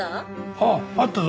あああったぞ。